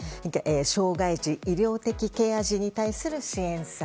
障害児、医療的ケア児に対する支援策。